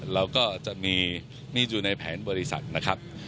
เราก็จะมีนี่อยู่ในแผนบริษัทนะครับ